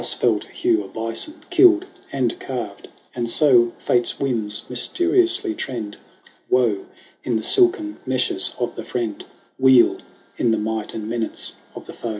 Thus fell to Hugh a bison killed and carved ; And so Fate's whims mysteriously trend Woe in the silken meshes of the friend, Weal in the might and menace of the foe.